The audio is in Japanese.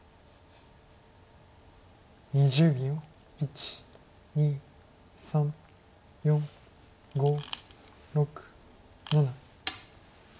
１２３４５６７。